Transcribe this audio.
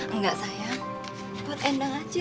enggak saya buat endang aja